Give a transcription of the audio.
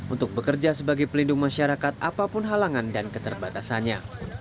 untuk bekerja sebagai pelindung masyarakat apapun halangan dan keterbatasannya